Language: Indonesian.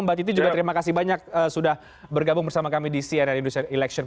mbak titi juga terima kasih banyak sudah bergabung bersama kami di cnn indonesia election